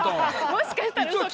もしかしたらうそかも。